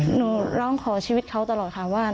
หนูร้องขอชีวิตเขาตลอดค่ะว่า